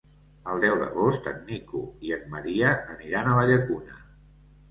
El deu d'agost en Nico i en Maria aniran a la Llacuna.